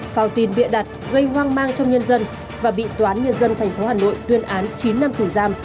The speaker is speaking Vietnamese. phào tin bịa đặt gây hoang mang trong nhân dân và bị toán nhân dân thành phố hà nội tuyên án chín năm tù giam